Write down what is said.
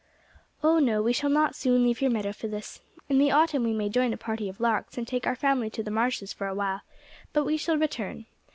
"Oh, no, we shall not soon leave your meadow, Phyllis. In the autumn we may join a party of larks and take our family to the marshes for awhile, but we shall return.